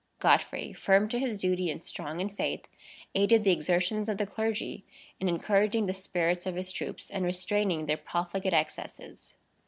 Godfrey, firm to his duty and strong in faith, aided the exertions of the clergy in encouraging the spirits of his troops, and restraining their profligate excesses.